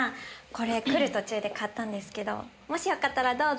これ来る途中で買ったんですけどもしよかったらどうぞ。